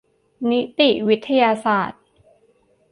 นิติวิทยาศาสตร์